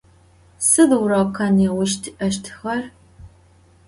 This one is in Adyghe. Sıd vuroka nêuş ti'eştxer?